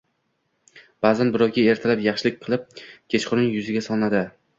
Ba'zan birovga ertalab yaxshilik qilinib, kechqurun yuziga solinadi.